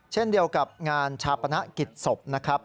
เช่นเดียวกับงานชาปนกิจศพนะครับ